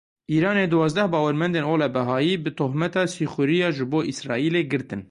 Îranê duwazdeh bawermendên ola Behayî bi tohmeta sîxuriya ji bo Îsraîlê girtin.